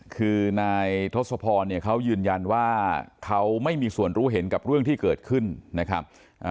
คือนายทศพรเนี่ยเขายืนยันว่าเขาไม่มีส่วนรู้เห็นกับเรื่องที่เกิดขึ้นนะครับ